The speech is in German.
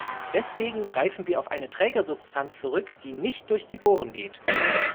Deswegen greifen wir auf eine Trägersubstanz zurück, die nicht durch die Poren geht.